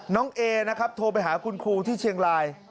เอนะครับโทรไปหาคุณครูที่เชียงราย